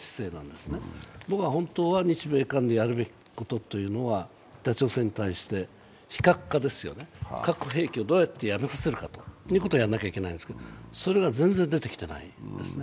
僕は本当は日米韓でやるべきことというのは北朝鮮に対して非核化ですよね、核兵器をどうやってやめさせるかというのをやるべきですがそれが全然出てきてないですね。